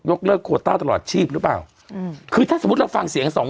เลิกโคต้าตลอดชีพหรือเปล่าอืมคือถ้าสมมุติเราฟังเสียงสอง